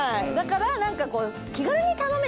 だから何かこう。